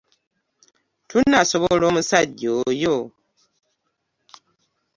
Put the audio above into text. Tunaasobola omusajja oyo?